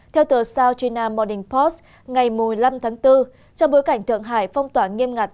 theo tờ south china morning post ngày một mươi năm tháng bốn trong bối cảnh thượng hải phong tỏa nghiêm ngạc